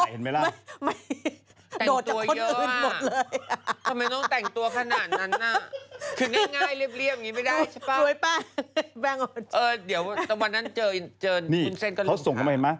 เขาส่งมาเห็นไหม